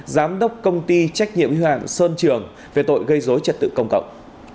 giám đốc công ty trách nhiệm huy hoạng sơn trường về tội gây dối trật tự công cộng